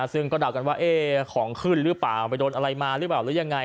ซึ่งก็เดากันว่าของขึ้นหรือเปล่าไปโดนอะไรมาหรือเปล่าหรือยังไง